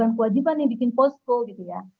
tapi kita juga memang kewajiban yang bikin posko gitu ya